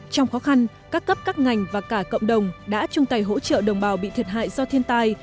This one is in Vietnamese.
trong khó khăn các cấp các ngành và cả cộng đồng đã chung tay hỗ trợ đồng bào bị thiệt hại do thiên tai